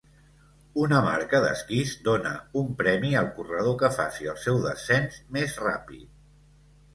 Una marca d'esquís dóna un premi al corredor que faci el seu descens més ràpid.